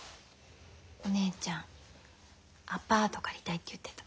お姉ちゃんアパート借りたいって言ってた。